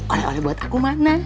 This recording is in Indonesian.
oleh oleh buat aku mana